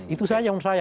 itu saja yang saya